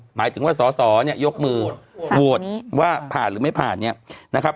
หมายถึงว่าสอสอเนี่ยยกมือโหวตว่าผ่านหรือไม่ผ่านเนี่ยนะครับ